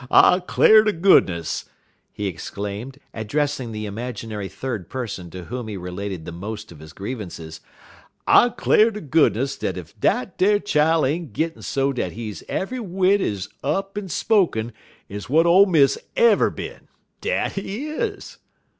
"I 'clar' ter goodness," he exclaimed, addressing the imaginary third person to whom he related the most of his grievances, "I 'clar' ter goodness ef dat ar chile ain't gittin' so dat he's eve'y whit ez up en spoken ez w'at ole Miss ever bin. Dat he is!"